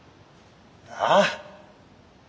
ああ？